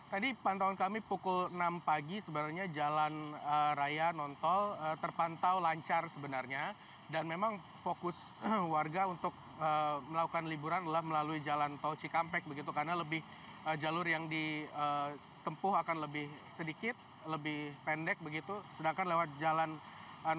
tadi pantaun kami pukul enam pagi sebenarnya jalan raya non tol terpantau lancar sebenarnya dan memang fokus warga untuk melakukan liburan adalah melalui jalan tol cikampek begitu karena lebih jalur yang ditempuh akan lebih sedikit lebih pendek begitu sedangkan lewat jalan non tol akan lebih panjang